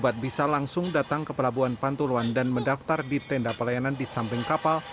pertama para pelabuhan yang dapat bisa langsung datang ke pelabuhan pantoloan dan mendaftar di tenda pelayanan di samping kapal